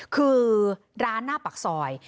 คือร้านหน้าปากซอย